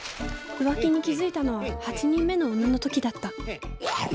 浮気に気付いたのは８人目の女の時だった。